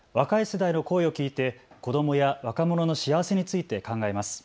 若い世代の声を聞いて子どもや若者の幸せについて考えます。